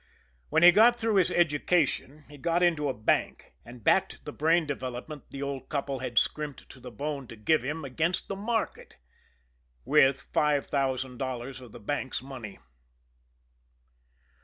When he got through his education, he got into a bank and backed the brain development, the old couple had scrimped to the bone to give him, against the market with five thousand dollars of the bank's money.